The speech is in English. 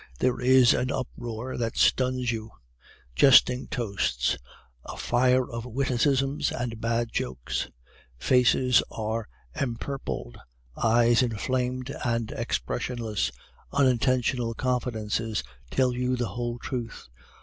There is an uproar that stuns you, jesting toasts, a fire of witticisms and bad jokes; faces are empurpled, eyes inflamed and expressionless, unintentional confidences tell you the whole truth.